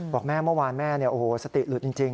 บอกแม่เมื่อวานแม่โอ้โหสติหลุดจริง